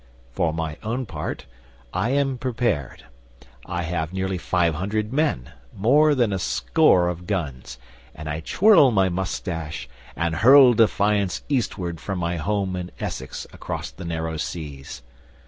For my own part, I am prepared. I have nearly five hundred men, more than a score of guns, and I twirl my moustache and hurl defiance eastward from my home in Essex across the narrow seas.